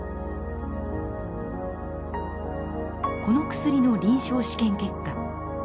この薬の臨床試験結果。